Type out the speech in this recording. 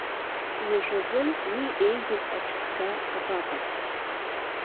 Уажәазын уи еиӷьыз аҽыҵга абаҟаз.